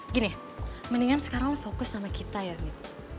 gini mendingan sekarang lo fokus sama kita ya mita